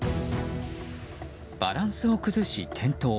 バランスを崩し、転倒。